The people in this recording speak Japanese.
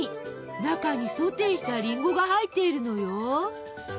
中にソテーしたりんごが入っているのよ！